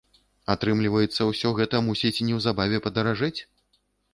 Атрымліваецца, усё гэта мусіць неўзабаве падаражэць?